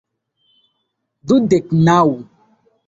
Dudek naŭ